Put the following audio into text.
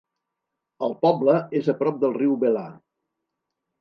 El poble és a prop del riu Belah.